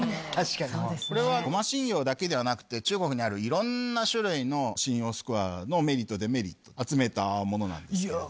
これはゴマ信用だけではなくて中国にあるいろんな種類の信用スコアのメリットデメリット集めたものなんですけれども。